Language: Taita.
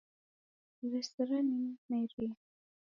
W'esera nimerie